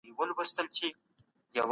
د نړیوال تجارت په ډګر کې.